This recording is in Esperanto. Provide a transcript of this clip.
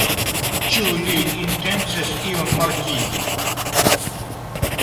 Ĉu li intencis iun mortigi?